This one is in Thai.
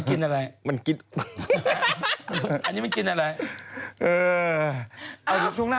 อีกแล้วโถ่ทราบอีกแล้วหนูไม่ยุ่งก็นะ